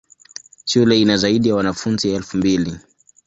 Shule ina zaidi ya wanafunzi elfu mbili.